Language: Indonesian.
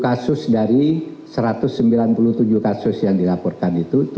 kasus dari satu ratus sembilan puluh tujuh kasus yang dilaporkan itu